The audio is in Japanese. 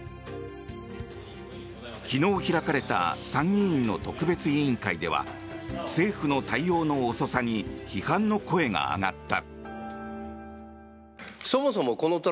昨日開かれた参議院の特別委員会では政府の対応の遅さに批判の声が上がった。